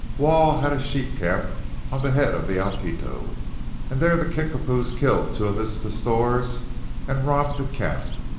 Waugh had a sheep camp on the head of Altito, and there the Kickapoos killed two of his pastors and robbed the camp.